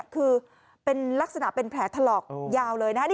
คือเป็นลักษณะเป็นแผลถลอกยาวเลยนะฮะ